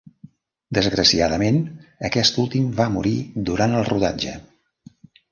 Desgraciadament, aquest últim va morir durant el rodatge.